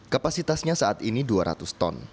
kapasitasnya saat ini dua ratus ton